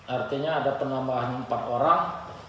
artinya ada penambahan empat orang